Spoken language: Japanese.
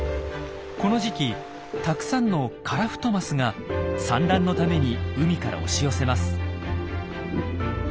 この時期たくさんのカラフトマスが産卵のために海から押し寄せます。